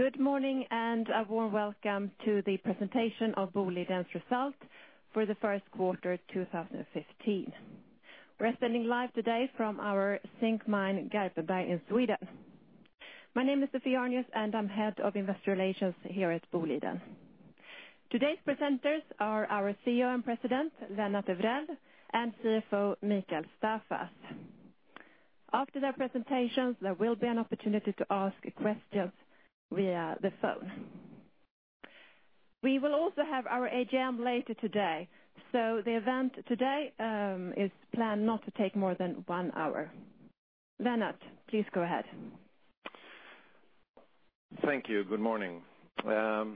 Good morning, and a warm welcome to the presentation of Boliden's results for the first quarter of 2015. We're broadcasting live today from our zinc mine, Garpenberg, in Sweden. My name is Sophie Arnius, and I'm Head of Investor Relations here at Boliden. Today's presenters are our CEO and President, Lennart Evrell, and CFO, Mikael Staffas. After their presentations, there will be an opportunity to ask questions via the phone. We will also have our AGM later today, the event today is planned not to take more than one hour. Lennart, please go ahead. Thank you. Good morning. Well,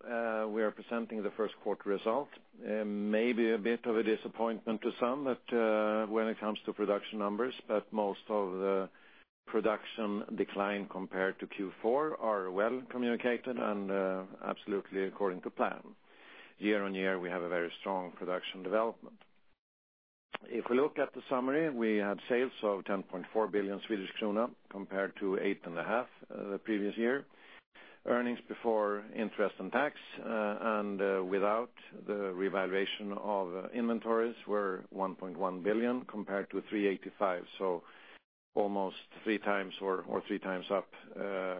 we are presenting the first quarter results. Maybe a bit of a disappointment to some when it comes to production numbers, most of the production decline compared to Q4 are well communicated and absolutely according to plan. Year-over-year, we have a very strong production development. If we look at the summary, we had sales of 10.4 billion Swedish krona compared to 8.5 billion the previous year. EBIT, and without the revaluation of inventories, were 1.1 billion compared to 385 million, almost three times up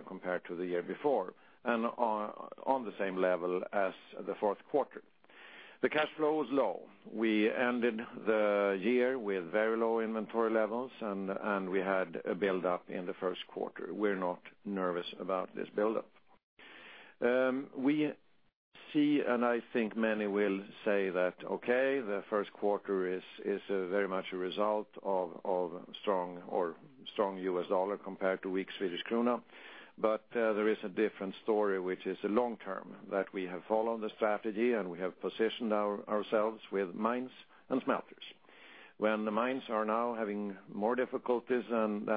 compared to the year before, and on the same level as the fourth quarter. The cash flow is low. We ended the year with very low inventory levels, we had a buildup in the first quarter. We're not nervous about this buildup. We see, I think many will say that, okay, the first quarter is very much a result of strong USD compared to weak SEK. There is a different story, which is long-term, that we have followed the strategy and we have positioned ourselves with mines and smelters. When the mines are now having more difficulties than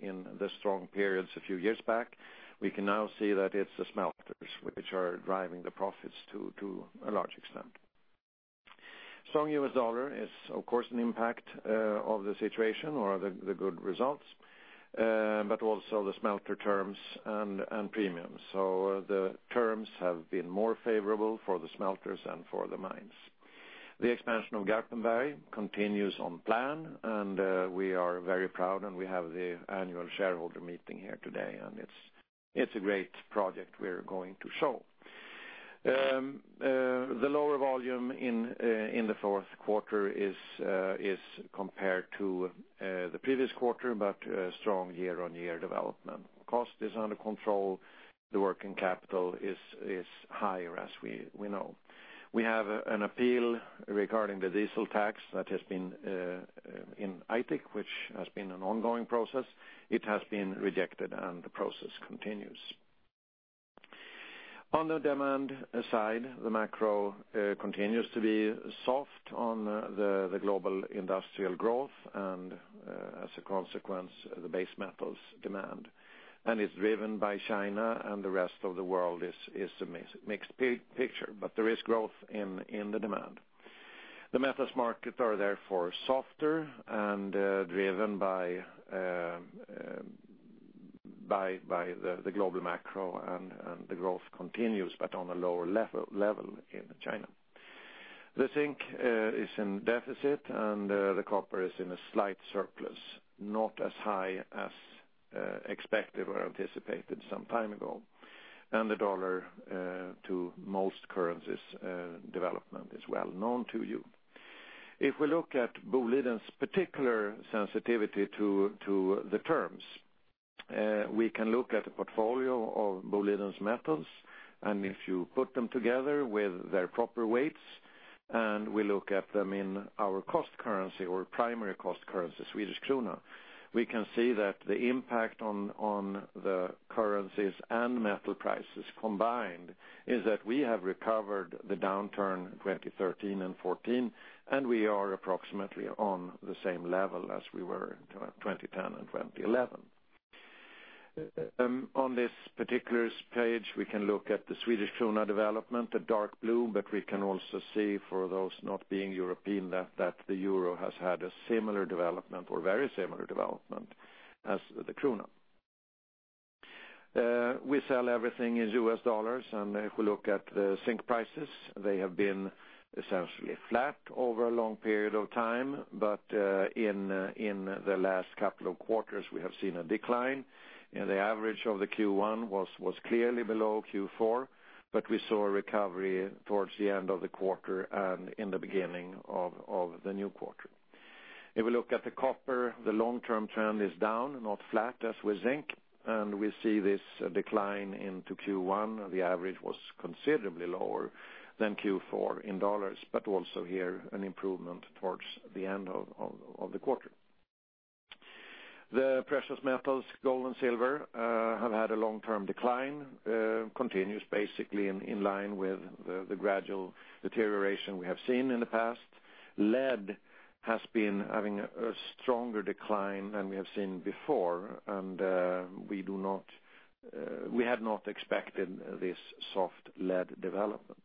in the strong periods a few years back, we can now see that it's the smelters which are driving the profits to a large extent. Strong USD is, of course, an impact of the situation or the good results, also the smelter terms and premiums. The terms have been more favorable for the smelters than for the mines. The expansion of Garpenberg continues on plan, we are very proud, we have the AGM here today, it's a great project we're going to show. The lower volume in the fourth quarter is compared to the previous quarter, strong year-over-year development. Cost is under control. The working capital is higher, as we know. We have an appeal regarding the diesel tax that has been in Aitik, which has been an ongoing process. It has been rejected, the process continues. On the demand side, the macro continues to be soft on the global industrial growth, as a consequence, the base metals demand. It's driven by China, the rest of the world is a mixed picture. There is growth in the demand. The metals markets are therefore softer and driven by the global macro, and the growth continues but on a lower level in China. The zinc is in deficit, and the copper is in a slight surplus, not as high as expected or anticipated some time ago. The dollar to most currencies development is well known to you. If we look at Boliden's particular sensitivity to the terms, we can look at the portfolio of Boliden's metals, and if you put them together with their proper weights and we look at them in our cost currency or primary cost currency, Swedish krona, we can see that the impact on the currencies and metal prices combined is that we have recovered the downturn 2013 and 2014, and we are approximately on the same level as we were in 2010 and 2011. On this particular page, we can look at the Swedish krona development, the dark blue, but we can also see, for those not being European, that the euro has had a similar development or very similar development as the krona. We sell everything in US dollars, and if we look at the zinc prices, they have been essentially flat over a long period of time. In the last couple of quarters, we have seen a decline. The average of the Q1 was clearly below Q4, but we saw a recovery towards the end of the quarter and in the beginning of the new quarter. If we look at the copper, the long-term trend is down, not flat as with zinc, and we see this decline into Q1. The average was considerably lower than Q4 in dollars, but also here, an improvement towards the end of the quarter. The precious metals, gold and silver, have had a long-term decline, continuous basically in line with the gradual deterioration we have seen in the past. Lead has been having a stronger decline than we have seen before, and we had not expected this soft lead development.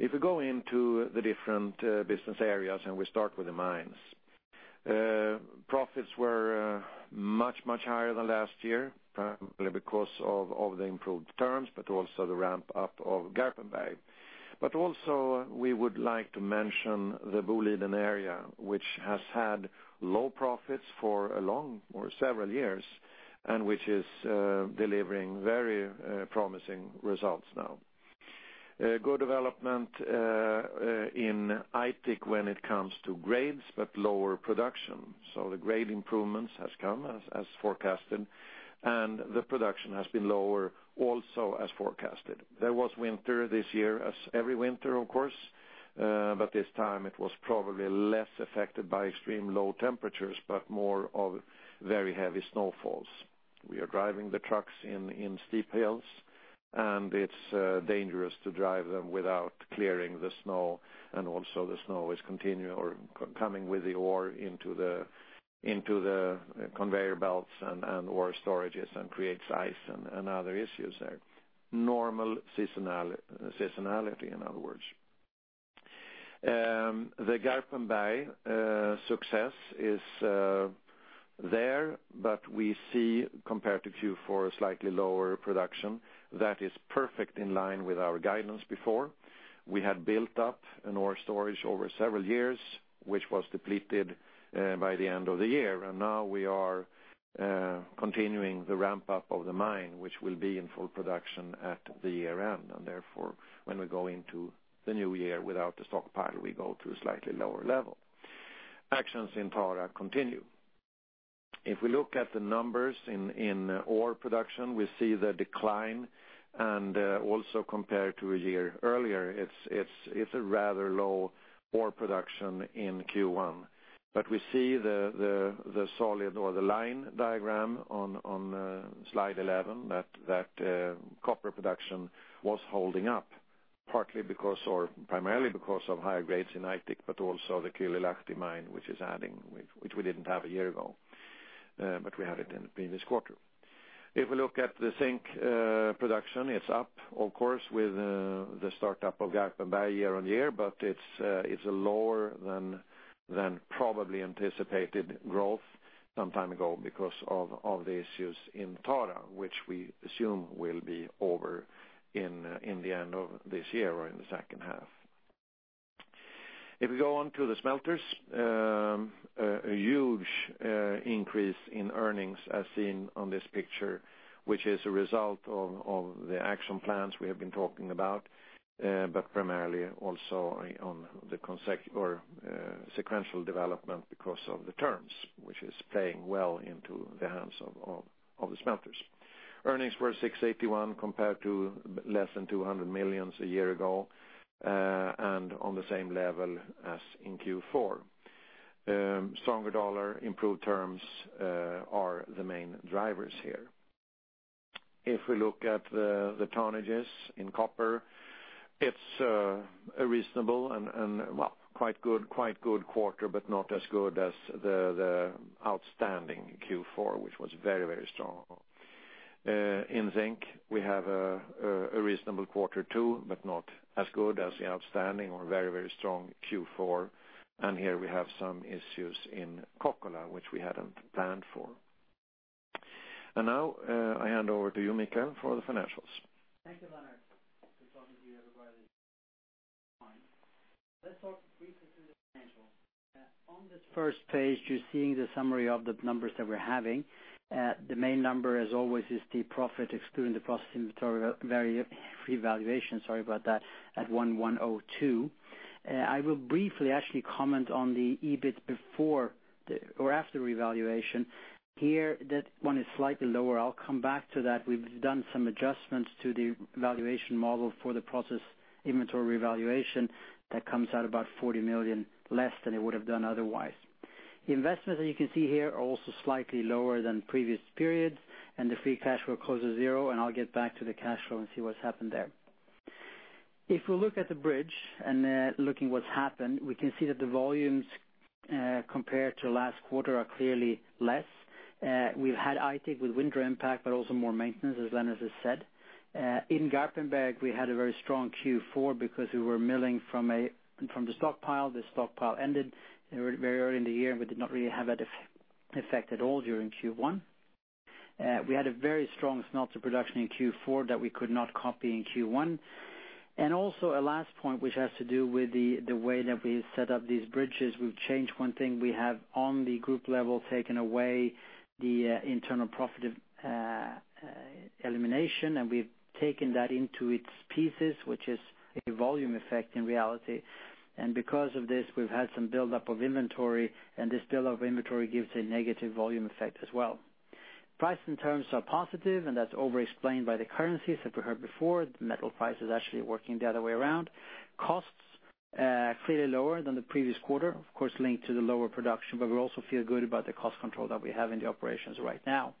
If we go into the different business areas, and we start with the mines. Profits were much, much higher than last year, probably because of the improved terms, but also the ramp up of Garpenberg. Also we would like to mention the Boliden area, which has had low profits for a long or several years, and which is delivering very promising results now. Good development in Aitik when it comes to grades, but lower production. The grade improvements has come as forecasted, and the production has been lower also as forecasted. There was winter this year as every winter, of course, but this time it was probably less affected by extreme low temperatures, but more of very heavy snowfalls. We are driving the trucks in steep hills, and it's dangerous to drive them without clearing the snow, and also the snow is coming with the ore into the conveyor belts and ore storages and creates ice and other issues there. Normal seasonality, in other words. The Garpenberg success is there, but we see compared to Q4, slightly lower production. That is perfect in line with our guidance before. We had built up an ore storage over several years, which was depleted by the end of the year. Now we are continuing the ramp up of the mine, which will be in full production at the year-end. Therefore, when we go into the new year without the stockpile, we go to a slightly lower level. Actions in Tara continue. If we look at the numbers in ore production, we see the decline, and also compared to a year earlier, it is a rather low ore production in Q1. We see the solid or the line diagram on slide 11 that copper production was holding up, primarily because of higher grades in Aitik, but also the Kylylahti mine, which we did not have a year ago, but we had it in the previous quarter. If we look at the zinc production, it is up, of course, with the startup of Garpenberg year-on-year, but it is lower than probably anticipated growth some time ago because of the issues in Tara, which we assume will be over in the end of this year or in the second half. We go on to the smelters, a huge increase in earnings as seen on this picture, which is a result of the action plans we have been talking about, but primarily also on the sequential development because of the terms, which is playing well into the hands of the smelters. Earnings were 681 compared to less than 200 million a year ago, and on the same level as in Q4. Stronger USD improved terms are the main drivers here. If we look at the tonnages in copper, it is a reasonable and quite good quarter, but not as good as the outstanding Q4, which was very, very strong. In zinc, we have a reasonable quarter too, but not as good as the outstanding or very, very strong Q4. Here we have some issues in Kokkola, which we had not planned for. Now, I hand over to you, Mikael, for the financials. Thank you, Lennart. Good talking to you everybody this morning. Let us talk briefly through the financials. On the first page, you are seeing the summary of the numbers that we are having. The main number, as always, is the profit excluding the processing material revaluation at 1,102. I will briefly actually comment on the EBIT after revaluation. Here, that one is slightly lower. I will come back to that. We have done some adjustments to the valuation model for the process inventory revaluation that comes out about 40 million less than it would have done otherwise. Investments, as you can see here, are also slightly lower than previous periods, and the free cash flow closes zero, and I will get back to the cash flow and see what has happened there. If we look at the bridge and looking what has happened, we can see that the volumes compared to last quarter are clearly less. We've had Aitik with winter impact, but also more maintenance, as Lennart has said. In Garpenberg, we had a very strong Q4 because we were milling from the stockpile. The stockpile ended very early in the year, we did not really have that effect at all during Q1. We had a very strong smelter production in Q4 that we could not copy in Q1. A last point, which has to do with the way that we've set up these bridges. We've changed one thing. We have on the group level taken away the internal profit elimination, we've taken that into its pieces, which is a volume effect in reality. Because of this, we've had some buildup of inventory, this buildup of inventory gives a negative volume effect as well. Price and terms are positive, that's overexplained by the currencies that we heard before. The metal price is actually working the other way around. Costs clearly lower than the previous quarter, of course, linked to the lower production, we also feel good about the cost control that we have in the operations right now.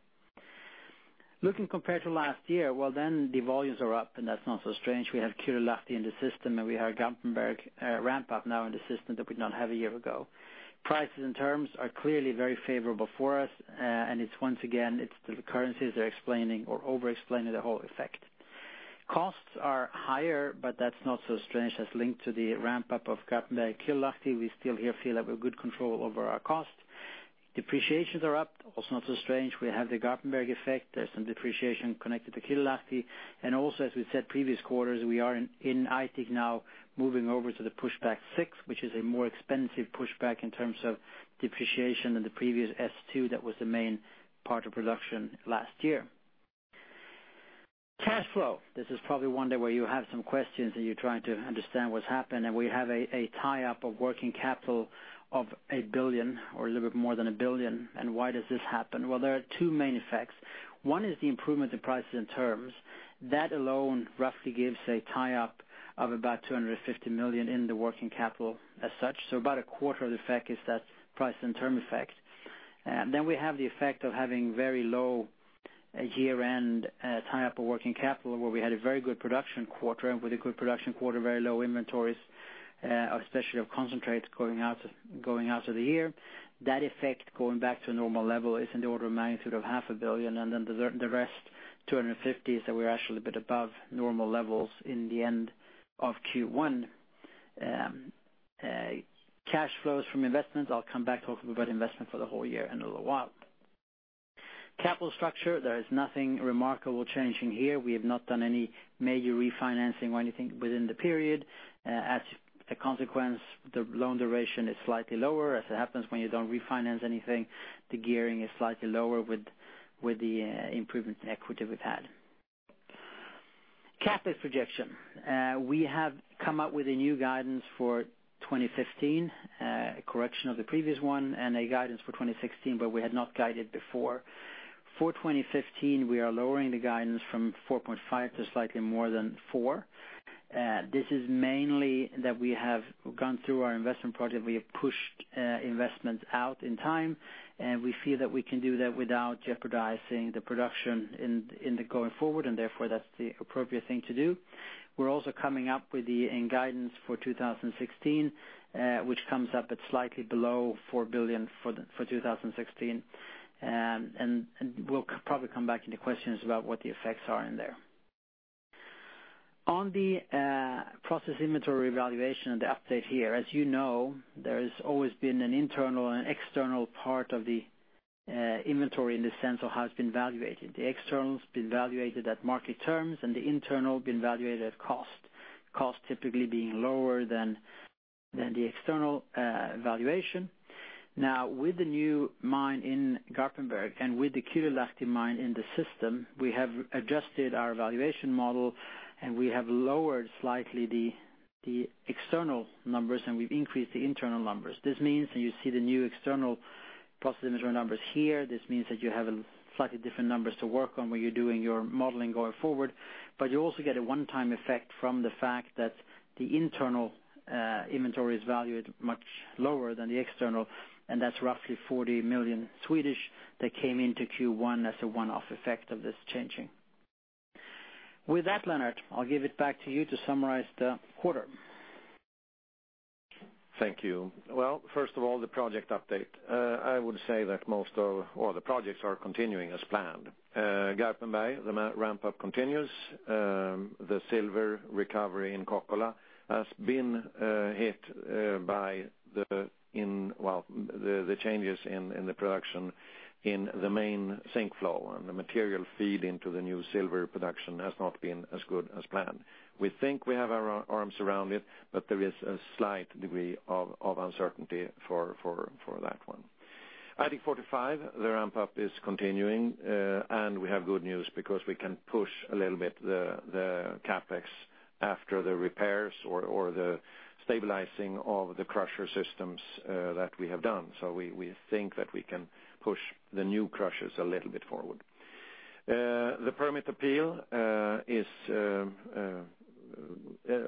Looking compared to last year, the volumes are up that's not so strange. We have Kylylahti in the system, we have Garpenberg ramp up now in the system that we did not have a year ago. Prices and terms are clearly very favorable for us, it's once again, it's the currencies are explaining or overexplaining the whole effect. Costs are higher, that's not so strange, that's linked to the ramp-up of Garpenberg and Kylylahti. We still here feel that we've good control over our costs. Depreciations are up. Not so strange. We have the Garpenberg effect. There's some depreciation connected to Kylylahti, also, as we've said previous quarters, we are in Aitik now moving over to the pushback six, which is a more expensive pushback in terms of depreciation than the previous S2 that was the main part of production last year. Cash flow. This is probably one where you have some questions and you're trying to understand what's happened, we have a tie-up of working capital of 1 billion or a little bit more than 1 billion. Why does this happen? There are two main effects. One is the improvement in prices and terms. That alone roughly gives a tie-up of about 250 million in the working capital as such. About a quarter of the effect is that price and term effect. We have the effect of having very low year-end tie-up of working capital, where we had a very good production quarter, with a good production quarter, very low inventories, especially of concentrates going out of the year. That effect going back to a normal level is in the order of magnitude of 0.5 billion, the rest 250 is that we're actually a bit above normal levels in the end of Q1. Cash flows from investments, I'll come back to talk about investment for the whole year in a little while. Capital structure, there is nothing remarkable changing here. We have not done any major refinancing or anything within the period. The loan duration is slightly lower. As it happens when you don't refinance anything, the gearing is slightly lower with the improvements in equity we've had. CapEx projection. We have come up with a new guidance for 2015, a correction of the previous one, and a guidance for 2016, where we had not guided before. For 2015, we are lowering the guidance from 4.5 to slightly more than 4 billion. This is mainly that we have gone through our investment project. We have pushed investments out in time, and we feel that we can do that without jeopardizing the production going forward, and therefore, that's the appropriate thing to do. We're also coming up with the end guidance for 2016, which comes up at slightly below 4 billion for 2016. We'll probably come back in the questions about what the effects are in there. On the process inventory valuation and the update here, as you know, there's always been an internal and external part of the inventory in the sense of how it's been valuated. The external's been valuated at market terms, and the internal been valuated at cost. Cost typically being lower than the external valuation. Now, with the new mine in Garpenberg and with the Kylylahti mine in the system, we have adjusted our valuation model, and we have lowered slightly the external numbers, and we've increased the internal numbers. You see the new external process inventory numbers here. This means that you have slightly different numbers to work on when you're doing your modeling going forward. You also get a one-time effect from the fact that the internal inventory is valued much lower than the external, and that's roughly 40 million that came into Q1 as a one-off effect of this changing. With that, Lennart, I'll give it back to you to summarize the quarter. Thank you. Well, first of all, the project update. I would say that most of the projects are continuing as planned. Garpenberg, the ramp-up continues. The silver recovery in Kokkola has been hit by the changes in the production in the main zinc flow and the material feed into the new silver production has not been as good as planned. We think we have our arms around it, but there is a slight degree of uncertainty for that one. Aitik 45, the ramp-up is continuing, and we have good news because we can push a little bit the CapEx after the repairs or the stabilizing of the crusher systems that we have done. We think that we can push the new crushers a little bit forward. The permit appeal is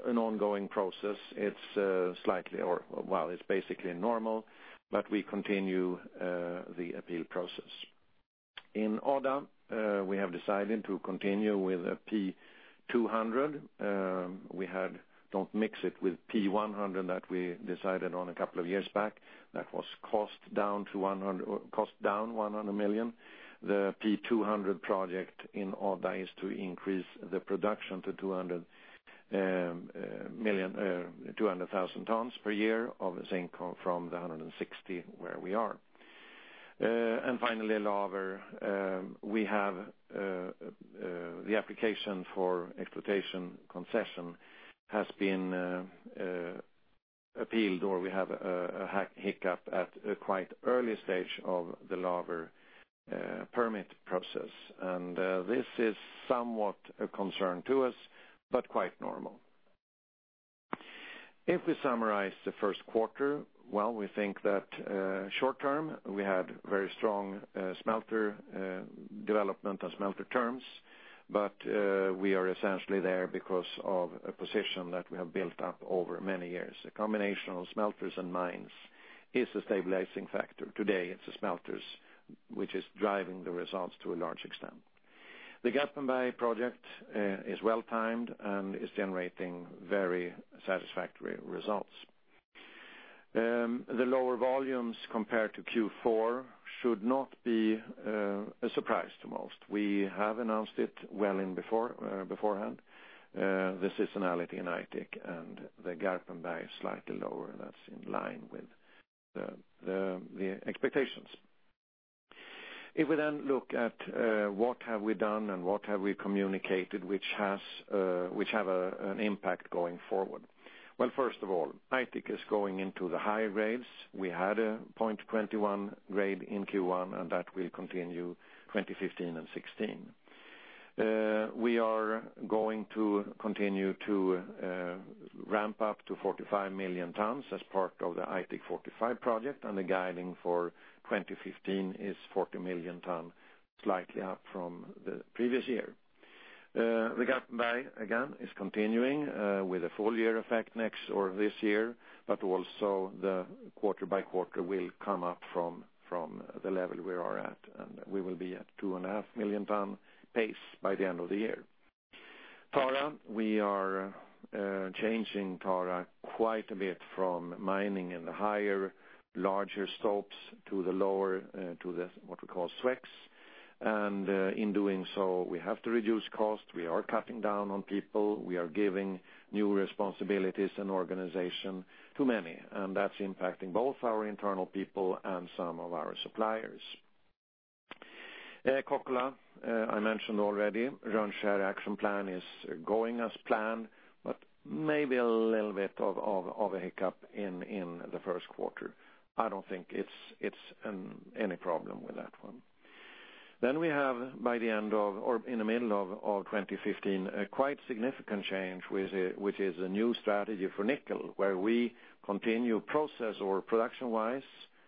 an ongoing process. It's basically normal, but we continue the appeal process. In Odda, we have decided to continue with P200. Don't mix it with P100 that we decided on a couple of years back. That was cost down 100 million. The P200 project in Odda is to increase the production to 200,000 tons per year of zinc from the 160 where we are. Finally, Laver. The application for exploitation concession has been appealed, or we have a hiccup at a quite early stage of the Laver permit process. This is somewhat a concern to us, but quite normal. If we summarize the first quarter, we think that short term, we had very strong smelter development and smelter terms, but we are essentially there because of a position that we have built up over many years. A combination of smelters and mines is a stabilizing factor. Today, it's the smelters which is driving the results to a large extent. The Garpenberg project is well-timed and is generating very satisfactory results. The lower volumes compared to Q4 should not be a surprise to most. We have announced it well beforehand, the seasonality in Aitik and the Garpenberg is slightly lower, and that's in line with the expectations. Well, first of all, Aitik is going into the high grades. We had a 0.21 grade in Q1, and that will continue 2015 and 2016. We are going to continue to ramp up to 45 million tons as part of the Aitik 45 project, and the guiding for 2015 is 40 million tons, slightly up from the previous year. The Garpenberg, again, is continuing with a full year effect next or this year, but also the quarter by quarter will come up from the level we are at, and we will be at two and a half million tons pace by the end of the year. Tara, we are changing Tara quite a bit from mining in the higher, larger stopes to the lower, to the what we call swecs. In doing so, we have to reduce cost. We are cutting down on people. We are giving new responsibilities and organization to many, and that's impacting both our internal people and some of our suppliers. Kokkola, I mentioned already, Rönnskär action plan is going as planned, but maybe a little bit of a hiccup in the first quarter. I don't think it's any problem with that one. We have by the end of or in the middle of 2015, a quite significant change, which is a new strategy for nickel, where we continue process or production-wise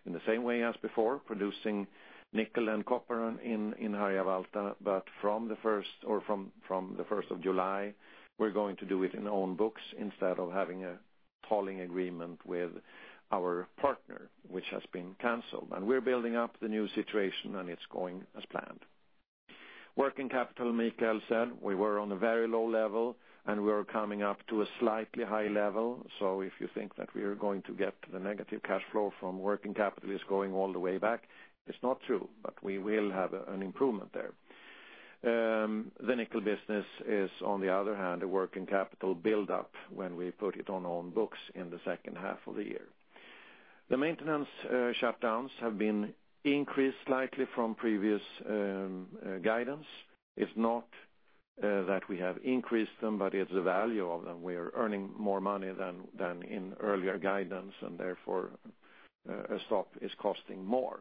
in the same way as before, producing nickel and copper in Harjavalta. From the 1st of July, we're going to do it in own books instead of having a tolling agreement with our partner, which has been canceled. We're building up the new situation, and it's going as planned. Working capital, Mikael said we were on a very low level, and we are coming up to a slightly high level. If you think that we are going to get the negative cash flow from working capital is going all the way back, it's not true, but we will have an improvement there. The nickel business is, on the other hand, a working capital buildup when we put it on own books in the second half of the year. The maintenance shutdowns have been increased slightly from previous guidance. It's not that we have increased them, but it's the value of them. We are earning more money than in earlier guidance, and therefore, a stop is costing more.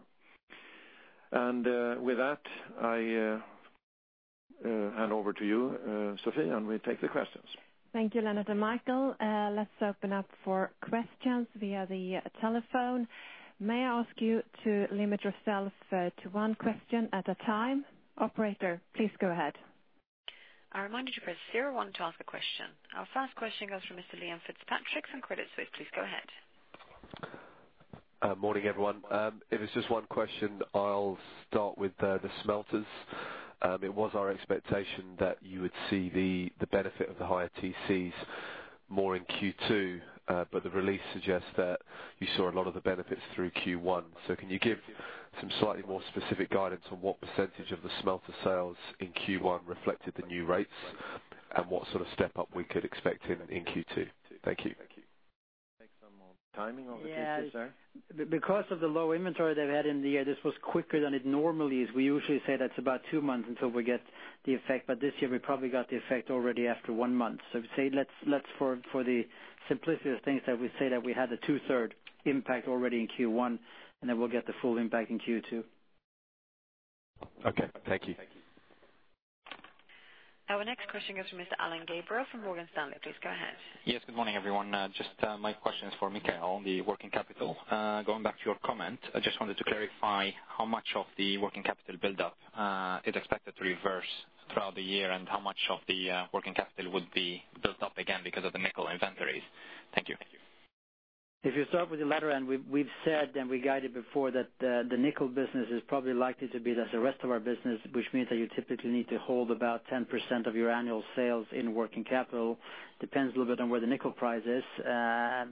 With that, I hand over to you, Sophie, and we take the questions. Thank you, Lennart and Mikael. Let's open up for questions via the telephone. May I ask you to limit yourself to one question at a time? Operator, please go ahead. A reminder to press zero one to ask a question. Our first question goes to Mr. Liam Fitzpatrick from Credit Suisse. Please go ahead. Morning, everyone. It was just one question. I'll start with the smelters. It was our expectation that you would see the benefit of the higher TCs more in Q2, but the release suggests that you saw a lot of the benefits through Q1. Can you give some slightly more specific guidance on what % of the smelter sales in Q1 reflected the new rates, and what sort of step-up we could expect in Q2? Thank you. Take some more timing on the Q2, sir. Yeah. Because of the low inventory they've had in the year, this was quicker than it normally is. We usually say that is about two months until we get the effect, but this year we probably got the effect already after one month. Let's for the simplicity of things that we say that we had the two-third impact already in Q1, and then we will get the full impact in Q2. Okay. Thank you. Our next question goes to Mr. Alain Gabriel from Morgan Stanley. Please go ahead. Yes. Good morning, everyone. Just my question is for Mikael on the working capital. Going back to your comment, I just wanted to clarify how much of the working capital buildup is expected to reverse throughout the year and how much of the working capital would be built up again because of the nickel inventories. Thank you. If you start with the latter end, we've said and we guided before that the nickel business is probably likely to be like the rest of our business, which means that you typically need to hold about 10% of your annual sales in working capital. Depends a little bit on where the nickel price is,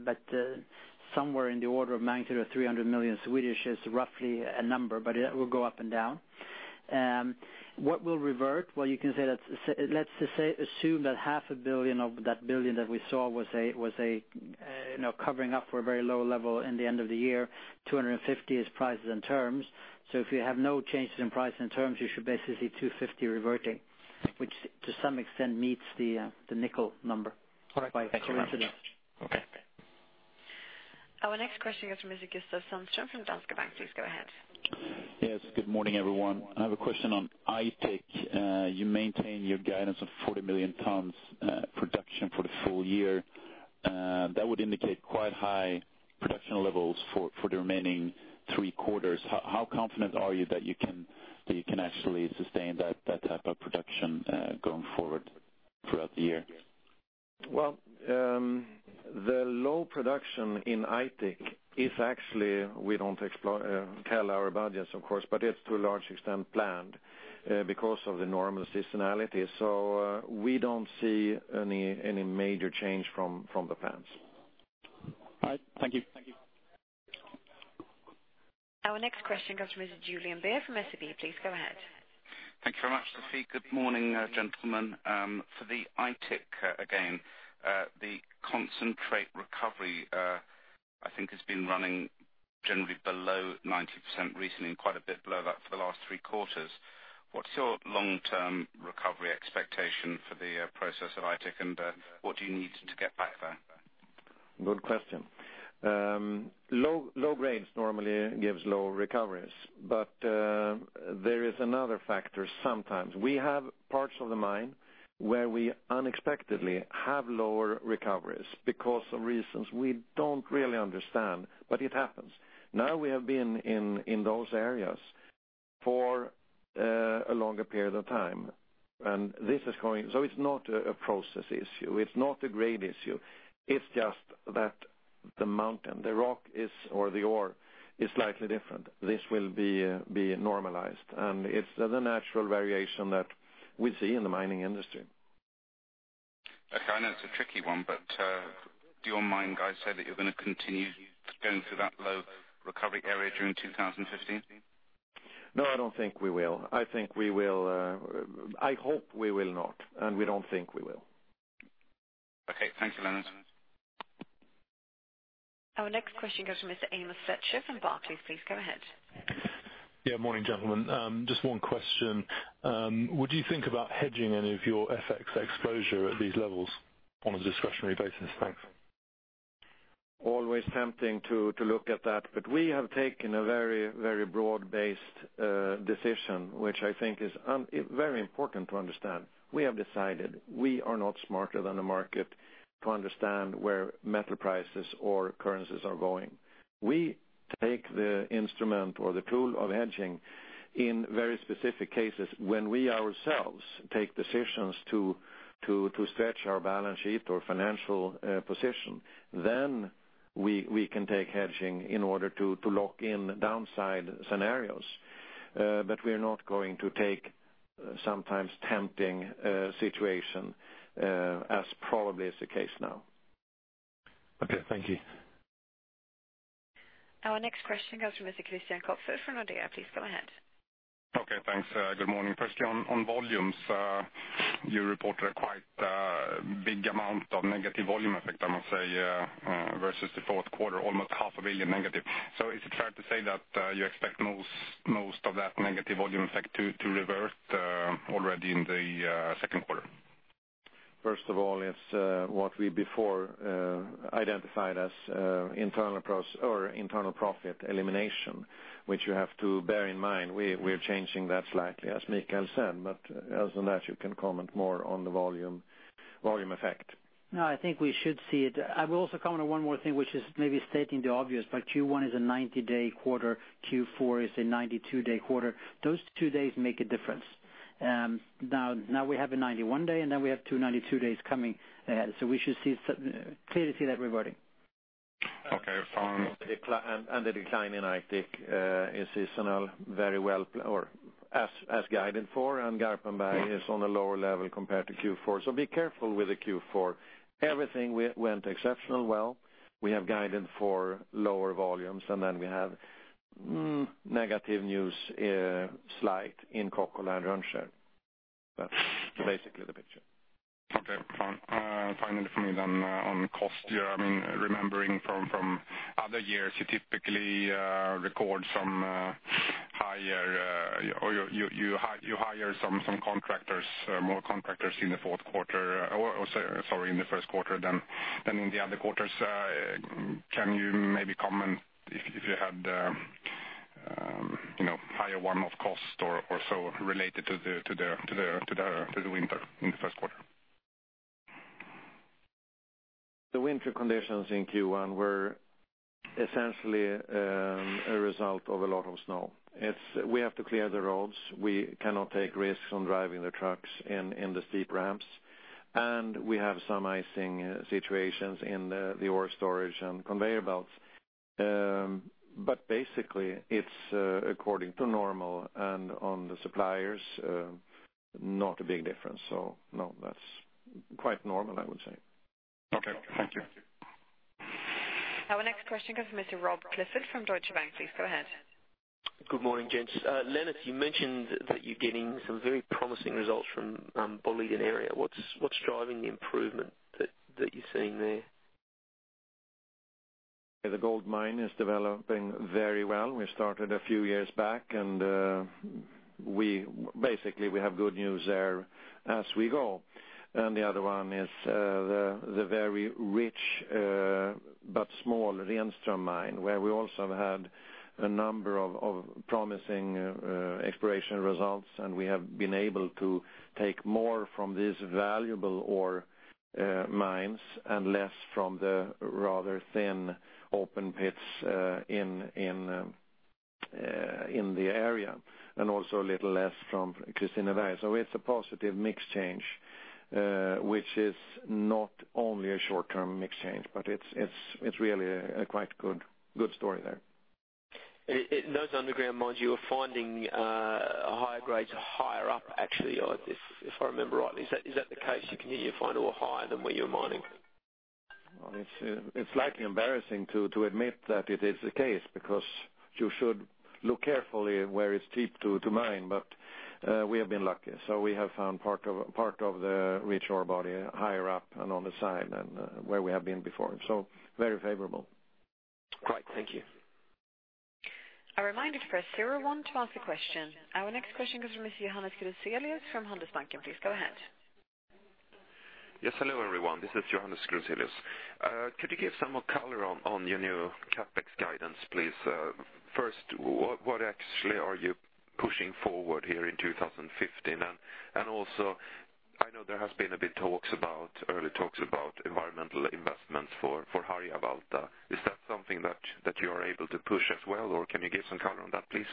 but somewhere in the order of SEK 90 million to 300 million is roughly a number, but it will go up and down. What will revert? Well, you can say that, let's just say assume that half a billion of that billion that we saw was covering up for a very low level in the end of the year, 250 million is prices and terms. If you have no changes in price and terms, you should basically see 250 million reverting, which to some extent meets the nickel number by coincidence. All right. Thank you very much. Okay. Our next question goes to Mr. [Gustav Sundström from Danske Bank. Please go ahead. Yes. Good morning, everyone. I have a question on Aitik. You maintain your guidance of 40 million tons production for the full year. That would indicate quite high production levels for the remaining three quarters. How confident are you that you can actually sustain that type of production going forward throughout the year? Well, the low production in Aitik is actually, we don't tell our budgets, of course, but it's to a large extent planned because of the normal seasonality. We don't see any major change from the plans. All right. Thank you. Our next question comes from Mr. Julian Beer from SEB. Please go ahead. Thank you very much, Sophie. Good morning, gentlemen. For the Aitik again, the concentrate recovery, I think has been running generally below 90% recently, and quite a bit below that for the last three quarters. What's your long-term recovery expectation for the process of Aitik, and what do you need to get back there? Good question. Low grades normally gives low recoveries, but there is another factor sometimes. We have parts of the mine where we unexpectedly have lower recoveries because of reasons we don't really understand, but it happens. Now we have been in those areas for a longer period of time. It's not a process issue, it's not a grade issue, it's just that the mountain, the rock or the ore is slightly different. This will be normalized, it's the natural variation that we see in the mining industry. Okay. I know it's a tricky one, do your mine guys say that you're going to continue going through that low recovery area during 2015? No, I don't think we will. I hope we will not, we don't think we will. Okay. Thank you, Lennart. Our next question goes to Mr. Amos Fletcher from Barclays. Please go ahead. Yeah, morning, gentlemen. Just one question. Would you think about hedging any of your FX exposure at these levels on a discretionary basis? Thanks. Always tempting to look at that. We have taken a very broad-based decision, which I think is very important to understand. We have decided we are not smarter than the market to understand where metal prices or currencies are going. We take the instrument or the tool of hedging in very specific cases when we ourselves take decisions to stretch our balance sheet or financial position. We can take hedging in order to lock in downside scenarios. We are not going to take sometimes tempting situation, as probably is the case now. Okay, thank you. Our next question comes from Mr. Christian Kopfer from Nordea. Please go ahead. Okay, thanks. Good morning. Firstly, on volumes, you reported a quite big amount of negative volume effect, I must say, versus the fourth quarter, almost SEK half a billion negative. Is it fair to say that you expect most of that negative volume effect to revert already in the second quarter? First of all, it's what we before identified as internal profit elimination, which you have to bear in mind. We're changing that slightly, as Mikael said, other than that, you can comment more on the volume effect. No, I think we should see it. I will also comment on one more thing, which is maybe stating the obvious, Q1 is a 90-day quarter, Q4 is a 92-day quarter. Those two days make a difference. Now we have a 91-day, and then we have two 92 days coming. We should clearly see that reverting. Okay, fine. The decline in Aitik is seasonal very well, or as guided for, Garpenberg is on a lower level compared to Q4. Be careful with the Q4. Everything went exceptionally well. We have guided for lower volumes, we have negative news slide in Kokkola and Rönnskär. That's basically the picture. Okay, fine. Finally from me on cost, remembering from other years, you typically record some higher, or you hire some contractors, more contractors in the fourth quarter, or sorry, in the first quarter than in the other quarters. Can you maybe comment if you had higher one-off cost or so related to the winter in the first quarter? The winter conditions in Q1 were essentially a result of a lot of snow. We have to clear the roads. We cannot take risks on driving the trucks in the steep ramps, we have some icing situations in the ore storage and conveyor belts. Basically, it's according to normal, on the suppliers, not a big difference. No, that's quite normal, I would say. Okay. Thank you. Our next question comes from Mr. Rob Clifford from Deutsche Bank. Please go ahead. Good morning, gents. Lennart, you mentioned that you're getting some very promising results from Boliden area. What's driving the improvement that you're seeing there? The gold mine is developing very well. We started a few years back, and basically, we have good news there as we go. The other one is the very rich but small Renström mine, where we also have had a number of promising exploration results, and we have been able to take more from these valuable ore mines and less from the rather thin open pits in the area. Also a little less from Kristineberg. It's a positive mix change, which is not only a short-term mix change, but it's really a quite good story there. In those underground mines, you are finding higher grades higher up, actually, if I remember rightly. Is that the case? You're finding ore higher than where you're mining? It's slightly embarrassing to admit that it is the case, because you should look carefully where it's cheap to mine. We have been lucky. We have found part of the rich ore body higher up and on the side than where we have been before. Very favorable. Right. Thank you. A reminder to press zero one to ask a question. Our next question comes from Mr. Johannes Krøvel-Selius from Handelsbanken. Please go ahead. Yes, hello everyone. This is Johannes Krøvel-Selius. Could you give some more color on your new CapEx guidance, please? First, what actually are you pushing forward here in 2015? Also, I know there has been a bit early talks about environmental investments for Harjavalta. Is that something that you are able to push as well, or can you give some color on that, please?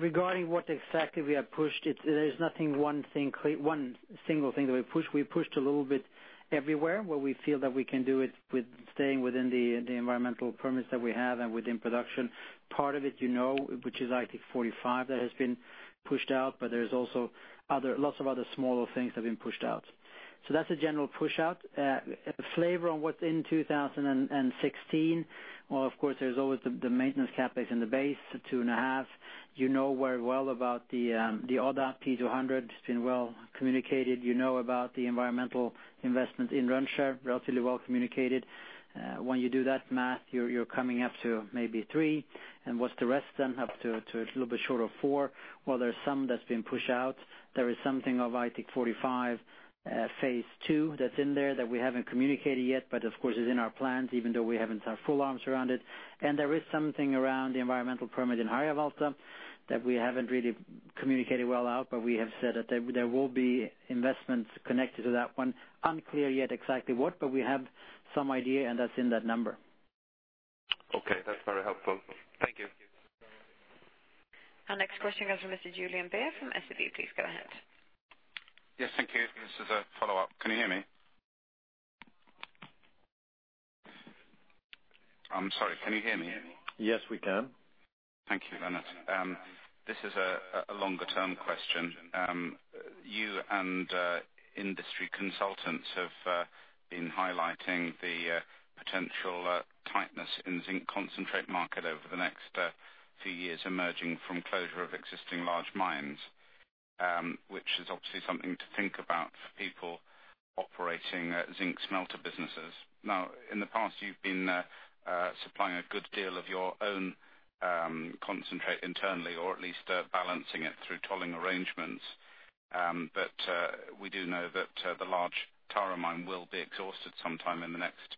Regarding what exactly we have pushed, there is nothing, one single thing that we pushed. We pushed a little bit everywhere where we feel that we can do it with staying within the environmental permits that we have and within production. Part of it you know, which is Aitik 45that has been pushed out, but there's also lots of other smaller things that have been pushed out. That's a general push out. A flavor on what's in 2016, well, of course there's always the maintenance CapEx in the base, the two and a half. You know very well about the other P200, it's been well communicated. You know about the environmental investment in Rönnskär, relatively well communicated. When you do that math, you're coming up to maybe three. What's the rest then, up to a little bit short of four? Well, there's some that's been pushed out. There is something of Aitik 45 phase II that's in there that we haven't communicated yet, of course is in our plans, even though we haven't our full arms around it. There is something around the environmental permit in Harjavalta that we haven't really communicated well out, but we have said that there will be investments connected to that one. Unclear yet exactly what, but we have some idea, and that's in that number. Okay. That's very helpful. Thank you. Our next question comes from Mr. Julian Beer. from SEB. Please go ahead. Yes. Thank you. This is a follow-up. Can you hear me? I'm sorry. Can you hear me? Yes, we can. Thank you, Lennart. This is a longer term question. You and industry consultants have been highlighting the potential tightness in zinc concentrate market over the next few years, emerging from closure of existing large mines, which is obviously something to think about for people operating zinc smelter businesses. Now, in the past, you've been supplying a good deal of your own concentrate internally, or at least balancing it through tolling arrangements. We do know that the large Tara mine will be exhausted sometime in the next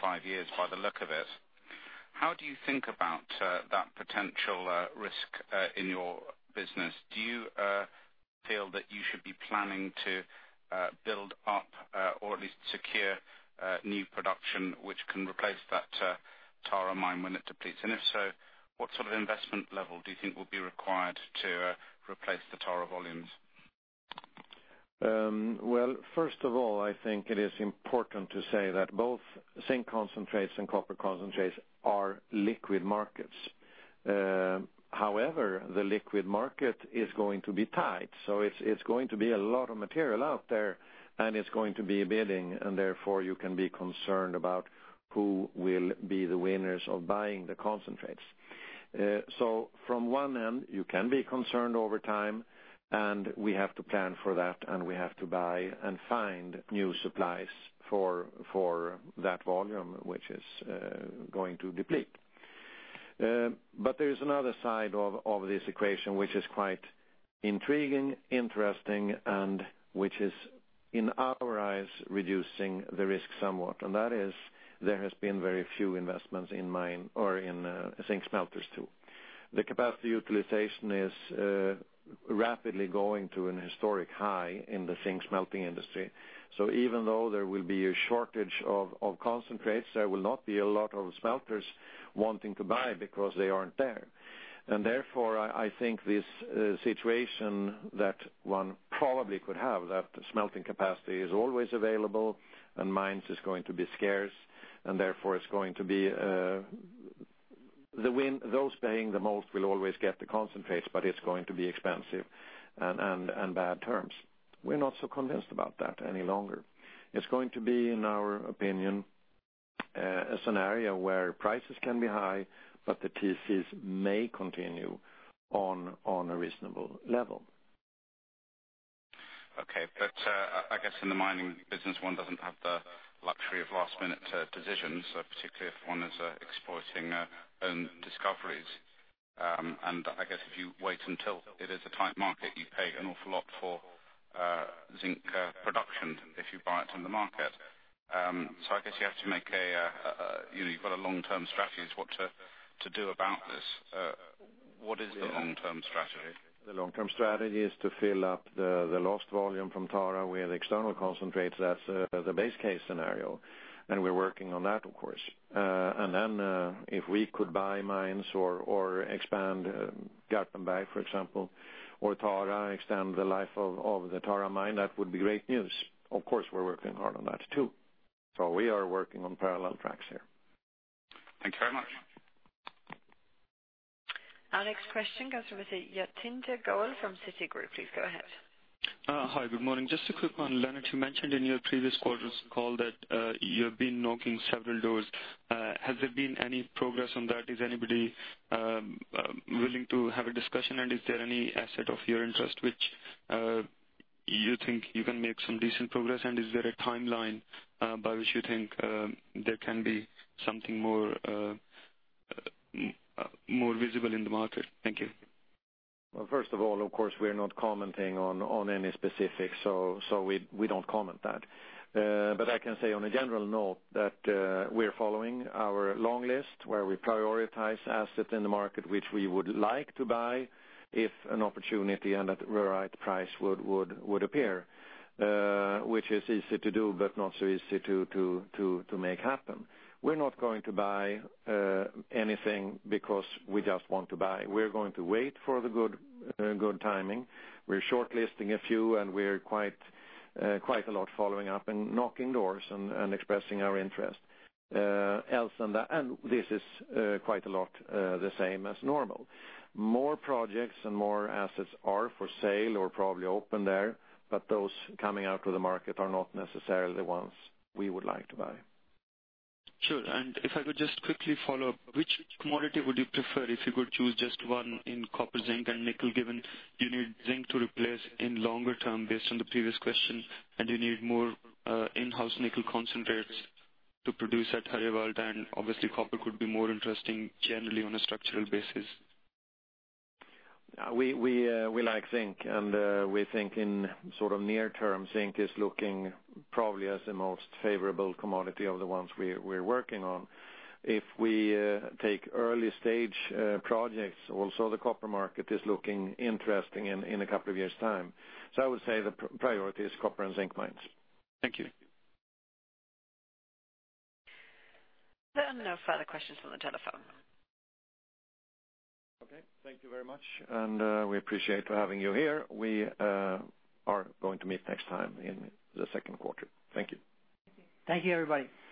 five years by the look of it. How do you think about that potential risk in your business? Do you feel that you should be planning to build up or at least secure new production which can replace that Tara mine when it depletes? If so, what sort of investment level do you think will be required to replace the Tara volumes? Well, first of all, I think it is important to say that both zinc concentrates and copper concentrates are liquid markets. The liquid market is going to be tight, so it's going to be a lot of material out there, and it's going to be a bidding, and therefore you can be concerned about who will be the winners of buying the concentrates. From one end, you can be concerned over time, and we have to plan for that, and we have to buy and find new supplies for that volume, which is going to deplete. There is another side of this equation, which is quite intriguing, interesting, and which is, in our eyes, reducing the risk somewhat. That is, there has been very few investments in mine or in zinc smelters too. The capacity utilization is rapidly going to an historic high in the zinc smelting industry. Even though there will be a shortage of concentrates, there will not be a lot of smelters wanting to buy because they aren't there. Therefore, I think this situation that one probably could have, that smelting capacity is always available and mines is going to be scarce, and therefore those paying the most will always get the concentrates, but it's going to be expensive and bad terms. We're not so convinced about that any longer. It's going to be, in our opinion, a scenario where prices can be high, but the TCs may continue on a reasonable level. Okay. I guess in the mining business, one doesn't have the luxury of last-minute decisions, particularly if one is exploiting own discoveries. I guess if you wait until it is a tight market, you pay an awful lot for zinc production if you buy it on the market. I guess you've got a long-term strategy as what to do about this. What is the long-term strategy? The long-term strategy is to fill up the lost volume from Tara with external concentrates. That's the base case scenario, we're working on that, of course. Then if we could buy mines or expand Garpenberg, for example, or Tara, extend the life of the Tara mine, that would be great news. Of course, we're working hard on that too. We are working on parallel tracks here. Thank you very much. Our next question comes from Yatinder Gaul from Citigroup. Please go ahead. Hi, good morning. Just a quick one. Lennart, you mentioned in your previous quarters call that you have been knocking several doors. Has there been any progress on that? Is anybody willing to have a discussion, and is there any asset of your interest which you think you can make some decent progress? Is there a timeline by which you think there can be something more visible in the market? Thank you. Well, first of all, of course, we are not commenting on any specifics. We don't comment that. I can say on a general note, that we're following our long list where we prioritize assets in the market, which we would like to buy if an opportunity and at the right price would appear, which is easy to do but not so easy to make happen. We're not going to buy anything because we just want to buy. We're going to wait for the good timing. We're shortlisting a few, and we're quite a lot following up and knocking doors and expressing our interest. Else than that. This is quite a lot the same as normal. More projects and more assets are for sale or probably open there, but those coming out to the market are not necessarily the ones we would like to buy. Sure. If I could just quickly follow up, which commodity would you prefer if you could choose just one in copper, zinc, and nickel, given you need zinc to replace in longer term based on the previous question, and you need more in-house nickel concentrates to produce at Harjavalta, and obviously copper could be more interesting generally on a structural basis? We like zinc. We think in near term, zinc is looking probably as the most favorable commodity of the ones we're working on. If we take early stage projects also, the copper market is looking interesting in a couple of years' time. I would say the priority is copper and zinc mines. Thank you. There are no further questions on the telephone. Okay, thank you very much, and we appreciate having you here. We are going to meet next time in the second quarter. Thank you. Thank you, everybody.